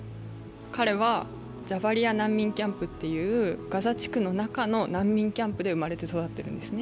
彼はジャガリア難民キャンプっていうガザ地区の中の難民キャンプで生まれて育っているんですね。